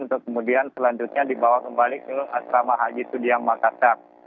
untuk kemudian selanjutnya dibawa kembali ke asrama haji sudiang makassar